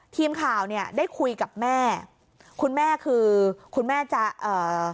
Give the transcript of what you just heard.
ทีมข่าวเนี่ยได้คุยกับแม่คุณแม่คือคุณแม่จะเอ่อ